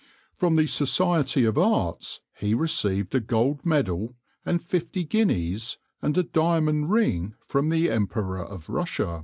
From the Society of Arts he received a gold medal and fifty guineas, and a diamond ring from the Emperor of Russia.